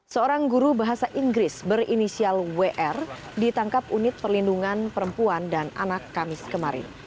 seorang guru bahasa inggris berinisial wr ditangkap unit perlindungan perempuan dan anak kamis kemarin